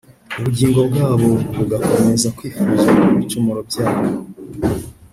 ubugingo bwabo bugakomeza kwifuza ibicumuro byabo